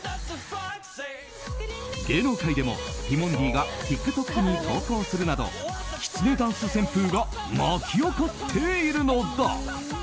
芸能界でもティモンディがＴｉｋＴｏｋに投稿するなどきつねダンス旋風が巻き起こっているのだ。